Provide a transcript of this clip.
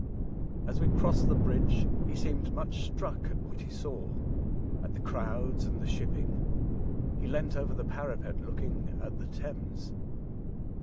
As we crossed the bridge he seemed much struck at what he saw; at the crowds and the shipping. He leant over the parapet looking at the Thames.